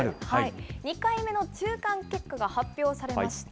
２回目の中間結果が発表されました。